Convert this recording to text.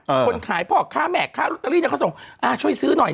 เออคนขายพอกค่าแม่ค่ารุ๊ดกะลี่เนี้ยเขาส่งอ่าช่วยซื้อนิดหน่อย